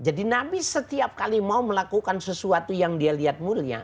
jadi nabi setiap kali mau melakukan sesuatu yang dia lihat mulia